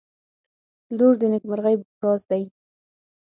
• لور د نیکمرغۍ راز دی.